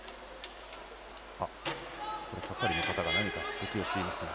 これ、係の方が何か指摘をしていますね。